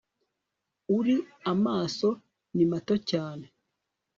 uri amaso ni mato cyane